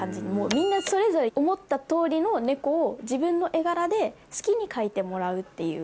みんなそれぞれ思った通りの猫を自分の絵柄で好きに描いてもらうっていう。